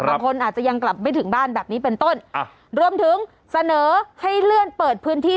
บางคนอาจจะยังกลับไม่ถึงบ้านแบบนี้เป็นต้นรวมถึงเสนอให้เลื่อนเปิดพื้นที่